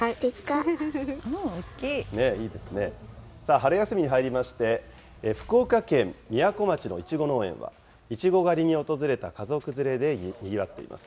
春休みに入りまして、福岡県みやこ町のイチゴ農園は、イチゴ狩りに訪れた家族連れでにぎわっています。